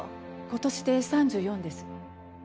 今年で３４です。